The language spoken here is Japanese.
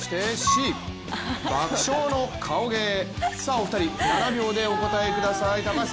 お二人、７秒でお答えください。